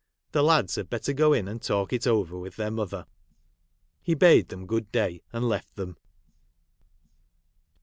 The lads had better go in and talk it over with their mother. He bade them good day, and left them.